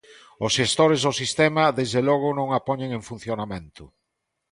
Os xestores do sistema desde logo non a poñen en funcionamento.